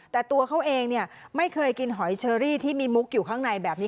แต่ตัวเขาเองไม่เคยกินหอยเชอรี่ที่มีมุกอยู่ข้างในแบบนี้